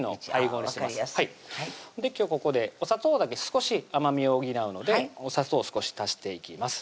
今日ここでお砂糖だけ少し甘みを補うのでお砂糖少し足していきます